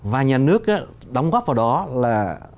và nhà nước đóng góp vào đó là